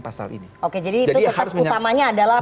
pasal ini oke jadi itu tetap utamanya adalah